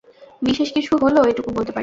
বিশেষ কিছু হলো, এটুকু বলতে পারি।